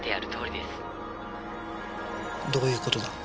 どういう事だ？